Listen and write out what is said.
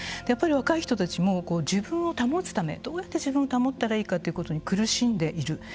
やっぱり若い人たちも自分を保つためどうやって自分を保ったらいいかということに苦しんでいる。